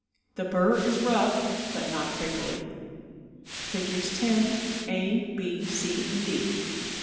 The bur is rough but not prickly (Figs. lo, a, b, c, and d).